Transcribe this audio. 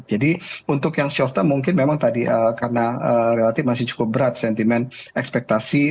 jadi untuk yang short term mungkin memang tadi karena relatif masih cukup berat sentimen ekspektasi